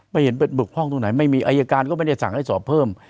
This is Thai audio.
เห็นบกพร่องตรงไหนไม่มีอายการก็ไม่ได้สั่งให้สอบเพิ่ม